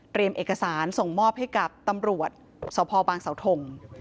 เอกสารส่งมอบให้กับตำรวจสพบางสาวทง